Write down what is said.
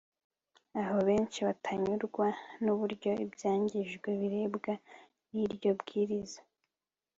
aho benshi batanyurwa n uburyo ibyangijwe birebwa n iryo bwiriza